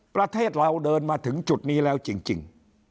ประเทศเราเดินมาถึงจุดนี้แล้วจริง